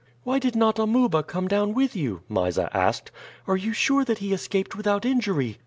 "Why did not Amuba come down with you?" Mysa asked. "Are you sure that he escaped without injury?"